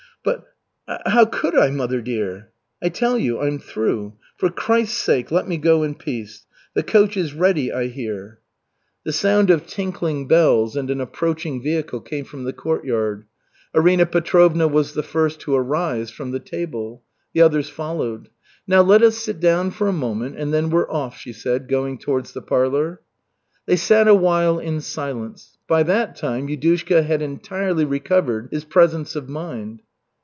"But, how could I, mother dear " "I tell you, I'm through. For Christ's sake, let me go in peace. The coach is ready, I hear." The sound of tinkling bells and an approaching vehicle came from the courtyard. Arina Petrovna was the first to arise from the table. The others followed. "Now let us sit down for a moment, and then we're off," she said, going towards the parlor. They sat a while in silence. By that time Yudushka had entirely recovered his presence of mind.